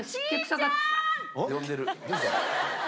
呼んでる。